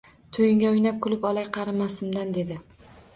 Toʻyingda oʻynab kulib olay qarimasimdan dedi